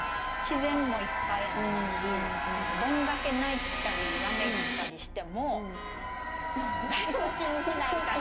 自然もいっぱいあるしどんだけ泣いたり、わめいたりしても誰も気にしないから。